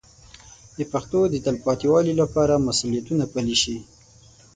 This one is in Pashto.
د پښتو د تلپاتې والي لپاره مسوولیتونه پلي شي.